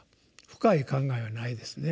深い考えはないですね。